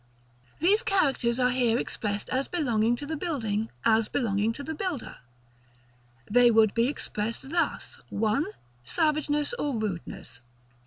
These characters are here expressed as belonging to the building; as belonging to the builder, they would be expressed thus: 1. Savageness, or Rudeness.